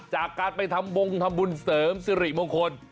จากการไปทำบงทำบุญเสริมสิริมงคล